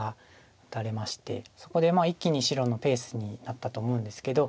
そこで一気に白のペースになったと思うんですけど。